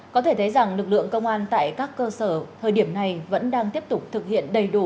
có thể thấy rằng lực lượng công an tại các cơ sở thời điểm này vẫn đang tiếp tục thực hiện đầy đủ